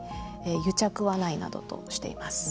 癒着はないなどとしています。